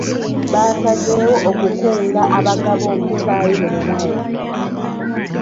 Baasazeewo okukunga abagaba omusaayi buli mwezi.